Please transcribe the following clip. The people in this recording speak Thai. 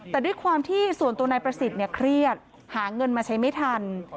แต่ด้วยความที่ส่วนตัวนายประสิทธิ์เครียดหาเงินมาใช้ไม่ทัน